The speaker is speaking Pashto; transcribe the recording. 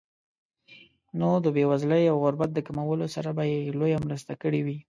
نو د بېوزلۍ او غربت د کمولو سره به یې لویه مرسته کړې وي.